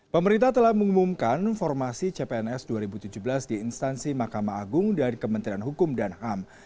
pemerintah telah mengumumkan formasi cpns dua ribu tujuh belas di instansi mahkamah agung dan kementerian hukum dan ham